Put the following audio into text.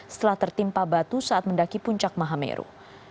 setelah tertimpa batu saat mendaki puncak mahameru